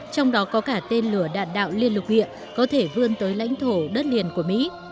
trong đó có cả tên lửa đạn đạo liên lục địa có thể vươn tới lãnh thổ đất liền của mỹ